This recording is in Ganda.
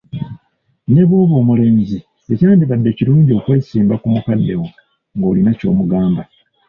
Ne bwoba omulenzi, tekyandibadde kilungi kwesimba ku mukadde wo ng'olina ky'omugamba.